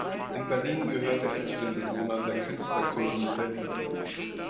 In Berlin gehörte er zu den Bewohnern der Künstlerkolonie Berlin.